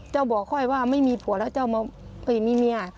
บอกค่อยว่าไม่มีผัวแล้วเจ้ามามีเมีย